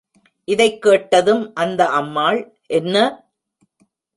இதைக் கேட்டதும் அந்த அம்மாள், என்ன!